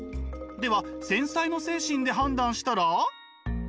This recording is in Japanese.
では繊細の精神で判断したら？